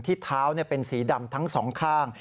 เท้าเป็นสีดำทั้งสองข้าง